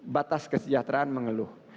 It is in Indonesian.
batas kesejahteraan mengeluh